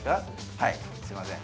はいすいません